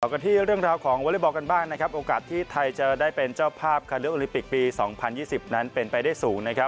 เรียกกันที่เรื่องราวของวอลเลอบอลกันบ้างโอกาสที่ไทยจะได้เป็นเจ้าภาพนุกอลีปีกปี๒๐๒๐เป็นไปได้สูง